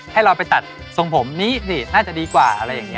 ให้เราไปตัดทรงผมนี้นี่น่าจะดีกว่าอะไรอย่างนี้